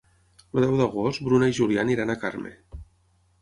El deu d'agost na Bruna i en Julià aniran a Carme.